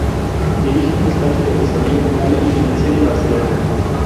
Dirige un despacho de asesoría contable y financiera en Barcelona.